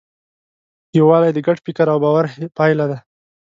یووالی د ګډ فکر او باور پایله ده.